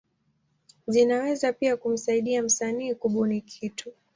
Zinaweza pia kumsaidia msanii kubuni kitu.